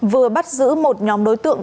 vừa bắt giữ một nhóm đối tượng